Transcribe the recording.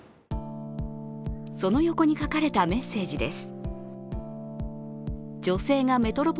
その横に書かれたメッセージです。